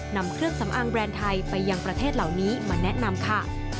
นำเครื่องสำอางแบรนด์ไทยไปยังประเทศเหล่านี้มาแนะนำค่ะ